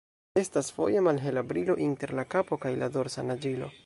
Estas foje malhela brilo inter la kapo kaj la dorsa naĝilo.